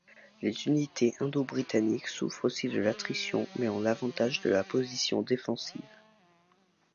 Les unités indo-britanniques souffrent aussi de l'attrition mais ont l'avantage de la position défensive.